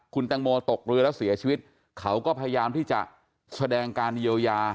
คุณแตงโมตกเรือแล้วเสียชีวิตเขาก็พยายามที่จะแสดงการเยียวยา